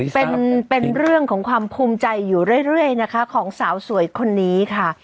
เป็นเรื่องของความภูมิใจอยู่เรื่อยนะคะของสาวสวยคนนี้ค่ะ